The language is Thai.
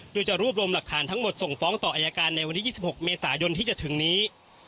โดยจะรวบรวมหลักฐานทั้งหมดส่งฟ้องต่ออายการในวันที่๒๖เมษายนที่จะถึงนี้